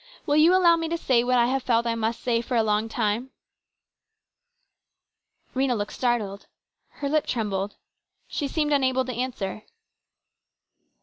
Will you allow me to say what I have felt I must say for a long time ?" Rhena looked startled. Her lip trembled. She seemed unable to answer.